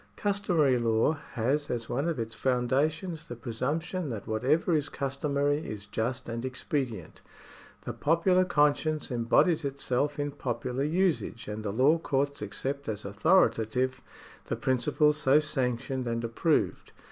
Customary law has as one of its foundations the presumption that whatever is customary is just and expedient. The popular conscience embodies itself in popular usage, and the law courts accept as authoritative the principles so sanctioned and approved.